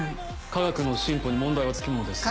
科学の進歩に問題は付きものです。